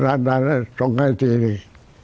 ลูกสาวก็ส่งให้ทีนี้